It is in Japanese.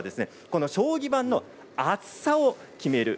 将棋盤の厚さを決める